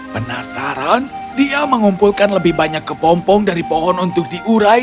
penasaran dia mengumpulkan lebih banyak kepompong dari pohon untuk diurai